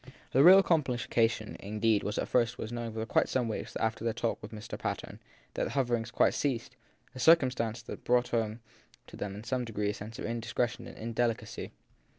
The real complication indeed at first was that for some weeks after their talks with Mr. Patten the hoverings quite ceased; a circumstance that brought home to them in some degree a sense of indiscretion and indelicacy.